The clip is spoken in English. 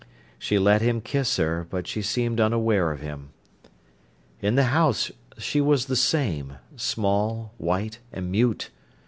She let him kiss her, but she seemed unaware of him. In the house she was the same—small, white, and mute.